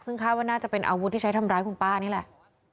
ซึ่งคาดว่าน่าจะเป็นอาวุธที่ใช้ทำร้ายคุณป้านี่แหละ